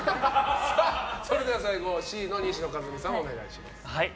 それでは最後、Ｃの西野一海さんお願いします。